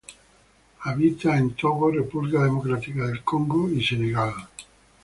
Habita en Togo, República Democrática del Congo y Senegal.